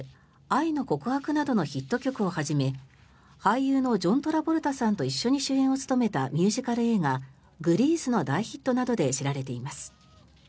「愛の告白」などのヒット曲をはじめ俳優のジョン・トラボルタさんと一緒に主演を務めたミュージカル映画「グリース」の大ヒットなどで知られています。